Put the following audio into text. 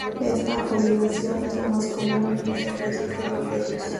Ésta combinación es la más común en los servicios de bomberos.